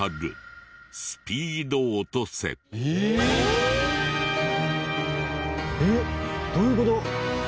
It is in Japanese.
えっどういう事？